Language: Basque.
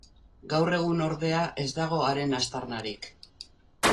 Gaur egun ordea ez dago haren aztarnarik.